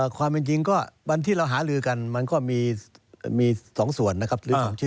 ความจริงก็วันที่เราหาลือกันมันก็มี๒ส่วนนะครับ